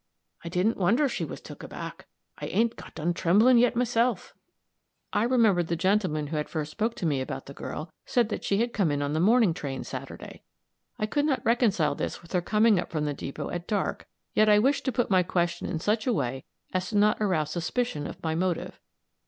I didn't wonder she was took aback. I ain't got done trembling yet myself." I remembered the gentleman who had first spoken to me about the girl said that she had come in on the morning train Saturday; I could not reconcile this with her coming up from the depot at dark; yet I wished to put my question in such a way as not to arouse suspicion of my motive.